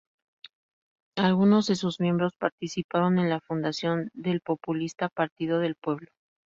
Algunos de sus miembros participaron en la fundación del populista Partido del Pueblo.